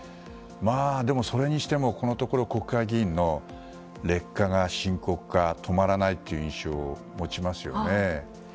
でもそれにしても、このところ国会議員の劣化が深刻化、止まらないという印象を持ちますよね。